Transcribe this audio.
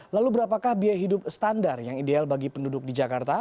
lalu berapakah biaya hidup standar yang ideal bagi penduduk di jakarta